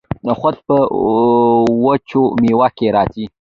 نخود په وچو میوو کې راځي.